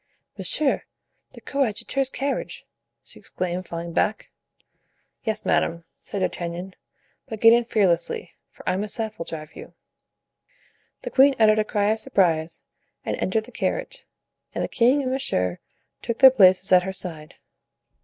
"Monsieur the coadjutor's carriage!" she exclaimed, falling back. "Yes, madame," said D'Artagnan; "but get in fearlessly, for I myself will drive you." The queen uttered a cry of surprise and entered the carriage, and the king and monsieur took their places at her side.